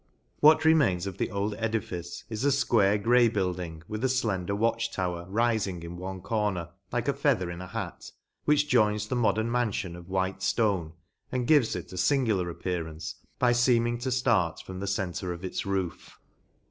What remains of the old edifice is a fquare grey building, with a (lender watch tower, rifmg in one corner, like a feather in a hat, which joins the modern manfion of white {lone, and gives it a fingular appearance, by feeming to dart from the centre of its roof.